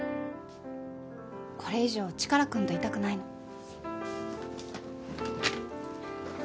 これ以上チカラくんといたくないの。